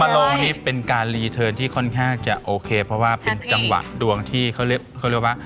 โรงนี้เป็นการรีเทิร์นที่ค่อนข้างจะโอเคเพราะว่าเป็นจังหวะดวงที่เขาเรียกว่า